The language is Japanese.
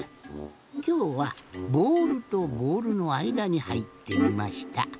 きょうはボールとボールのあいだにはいってみました。